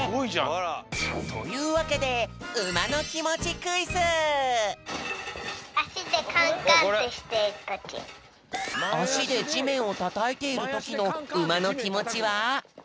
あら。というわけであしでじめんをたたいているときのうまのきもちは？